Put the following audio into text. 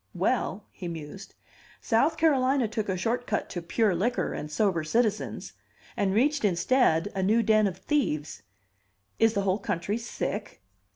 "Well," he mused, "South Carolina took a short cut to pure liquor and sober citizens and reached instead a new den of thieves. Is the whole country sick?"